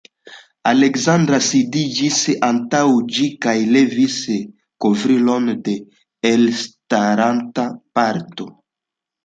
Aleksandra sidiĝis antaŭ ĝi kaj levis kovrilon de elstaranta parto.